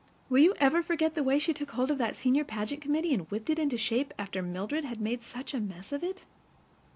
Will you ever forget the way she took hold of that senior pageant committee and whipped it into shape after Mildred had made such a mess of it?